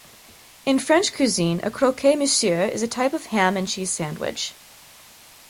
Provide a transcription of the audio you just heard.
In French cuisine, a croque-monsieur is a type of ham and cheese sandwich.